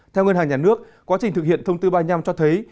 theo ngân hàng nhà nước quá trình thực hiện thông tư ba mươi năm cho thấy